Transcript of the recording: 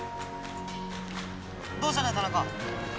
どうしたんだ田中？